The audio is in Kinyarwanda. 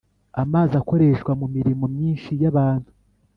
amazi akoreshwa mu mirimo myinshi yabantu